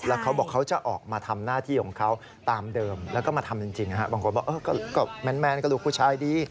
แล้วเขาบอกเขาจะออกมาทำหน้าที่ของเขาตามเดิมแล้วก็มาทำจริงบางคนบอกก็แมนก็ลูกผู้ชายดี